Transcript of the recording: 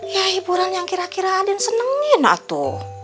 ya hiburan yang kira kira adin senengin atu